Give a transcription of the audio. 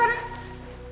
sekalian buat saya